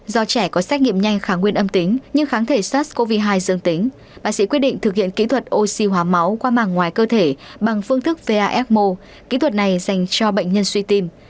do trẻ có xét nghiệm nhanh kháng nguyên âm tính nhưng kháng thể sars cov hai dương tính bác sĩ quyết định thực hiện kỹ thuật oxy hóa máu qua màng ngoài cơ thể bằng phương thức vasmo kỹ thuật này dành cho bệnh nhân suy tim